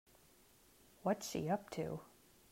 What's she up to?